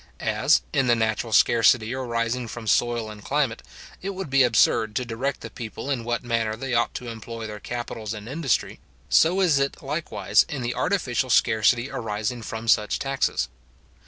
As, in the natural scarcity arising from soil and climate, it would be absurd to direct the people in what manner they ought to employ their capitals and industry, so is it likewise in the artificial scarcity arising from such taxes.